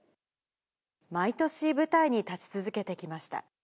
毎年舞台に立ち続けてきました。